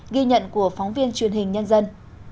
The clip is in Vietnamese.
ghi nhận của phóng viên truyền hình nhân dân